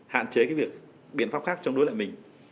hạn chế cái biện pháp khác trong đối lại mình